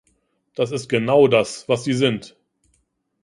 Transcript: Das ist genau das, was sie sind.